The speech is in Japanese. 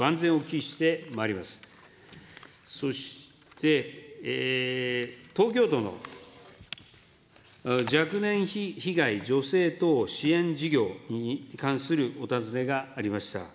そして、東京都の若年被害女性等支援事業に関するお尋ねがありました。